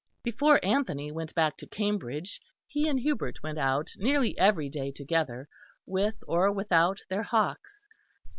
Before Anthony went back to Cambridge, he and Hubert went out nearly every day together with or without their hawks.